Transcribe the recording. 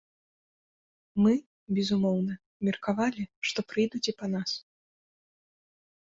Мы, безумоўна, меркавалі, што прыйдуць і па нас.